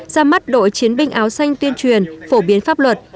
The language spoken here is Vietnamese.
ra mắt đội chiến binh áo xanh tuyên truyền phổ biến pháp luật